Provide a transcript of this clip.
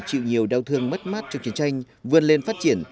chịu nhiều đau thương mất mát cho chiến tranh vươn lên phát triển